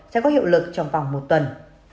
sẽ có hiệu lực trong vòng một tuần